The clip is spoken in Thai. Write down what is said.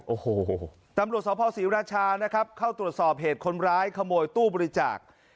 โอ้โหตำรวจสภศรีราชานะครับเข้าตรวจสอบเหตุคนร้ายขโมยตู้บริจาค